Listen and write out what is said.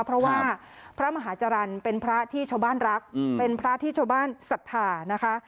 เพราะว่าพระมหาจรรย์เป็นพระที่ชาวบ้านรักเป็นพระที่ชาวบ้านศรัทธานะคะ